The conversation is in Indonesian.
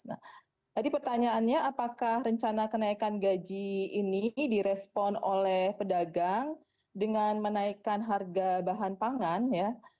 nah tadi pertanyaannya apakah rencana kenaikan gaji ini direspon oleh pedagang dengan menaikkan harga bahan pangan ya